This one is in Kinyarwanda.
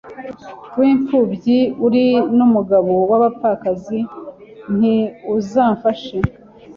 w’imfumbyi uri n’umugabo w’abapfakazi nti uzamfashe,